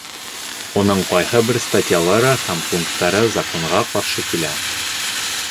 Уның ҡайһы бер статьялары һәм пункттары Законға ҡаршы килә.